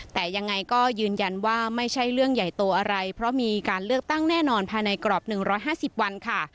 แต่ยังไงก็ยืนยันว่าไม่ใช่เรื่องใหญ่โตอะไรเพราะมีการเลือกตั้งแน่นอนภายในกรอบ๑๕๐วันค่ะ